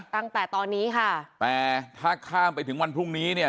ตั้งแต่ตอนนี้ค่ะแต่ถ้าข้ามไปถึงวันพรุ่งนี้เนี่ย